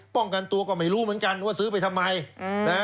ป้องกันตัวก็ไม่รู้เหมือนกันว่าซื้อไปทำไมนะฮะ